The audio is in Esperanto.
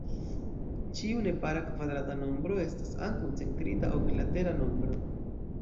Ĉiu nepara kvadrata nombro estas ankaŭ centrita oklatera nombro.